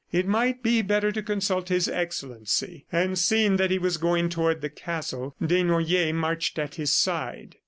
It might be better to consult His Excellency ... and seeing that he was going toward the castle, Desnoyers marched by his side.